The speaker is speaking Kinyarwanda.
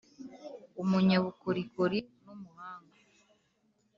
Umunyabukorikori numuhanga.